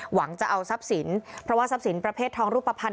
หวังจะเอาทรัพย์สินเพราะว่าทรัพย์สินประเภททองรูปภัณฑ